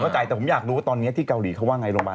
ใจแต่ผมอยากรู้ว่าตอนนี้ที่เกาหลีเขาว่าไงลงไป